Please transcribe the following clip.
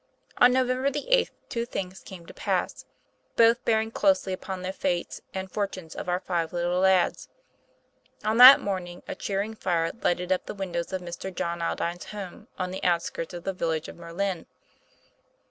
On November the eighth two things came to pass, both bearing closely upon the fates and for tunes of our five little lads. On that morning a cheering fire lighted up the windows of Mr. John Aldine's home, on the outskirts of the village of .Merlin.